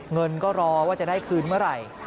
เงินก็รอว่าจะได้คืนเมื่อไหร่